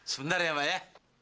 sebentar ya pak ya